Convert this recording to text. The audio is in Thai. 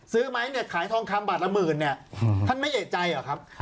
ซื้อไหมเนี่ยขายทองคำบาทละหมื่นเนี่ยท่านไม่เอกใจเหรอครับ